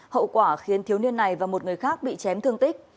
hậu quả khiến thiếu niên này và một người khác bị chém thương tích